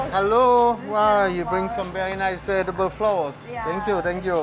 halo kamu bawa beberapa bunga bunga edible yang bagus